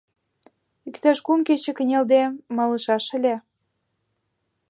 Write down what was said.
Иктаж кум кече кынелде малышаш ыле...